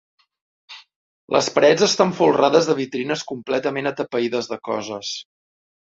Les parets estan folrades de vitrines completament atapeïdes de coses.